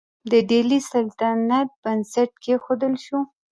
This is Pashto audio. د ډیلي سلطنت بنسټ کیښودل شو.